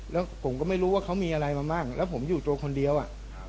แล้วผมก็ไม่รู้ว่าเขามีอะไรมาบ้างแล้วผมอยู่ตัวคนเดียวอ่ะครับ